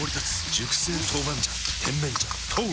熟成豆板醤甜麺醤豆！